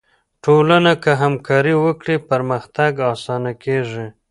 ټولنه که همکاري وکړي، پرمختګ آسانه کیږي.